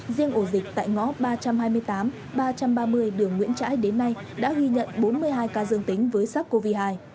riêng ổ dịch tại ngõ ba trăm hai mươi tám ba trăm ba mươi đường nguyễn trãi đến nay đã ghi nhận bốn mươi hai ca dương tính với sars cov hai